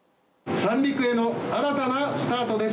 三陸への新たなスタートです。